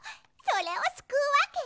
それをすくうわけ。